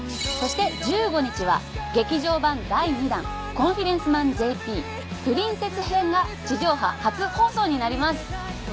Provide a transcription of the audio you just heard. そして１５日は劇場版第２弾『コンフィデンスマンＪＰプリンセス編』が地上波初放送になります。